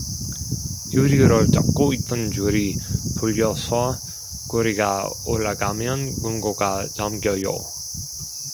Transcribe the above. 유리를 잡고 있던 줄이 풀려서 고리가 올라가면 금고가 잠겨요